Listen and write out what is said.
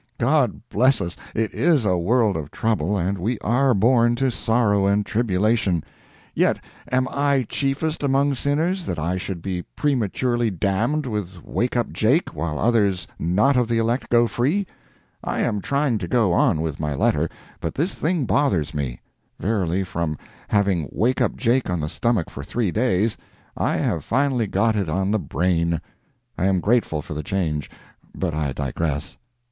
God bless us! it is a world of trouble, and we are born to sorrow and tribulation—yet, am I chiefest among sinners, that I should be prematurely damned with "Wake up Jake," while others not of the elect go free? I am trying to go on with my letter, but this thing bothers me; verily, from having "Wake up Jake" on the stomach for three days, I have finally got it on the brain. I am grateful for the change. But I digress.